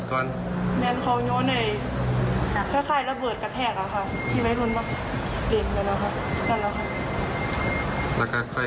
พี่เขามีเรื่องมาแต่ใด